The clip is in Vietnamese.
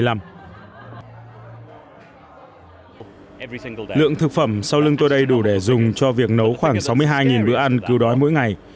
lượng thực phẩm sau lưng tôi đầy đủ để dùng cho việc nấu khoảng sáu mươi hai bữa ăn cứu đói mỗi ngày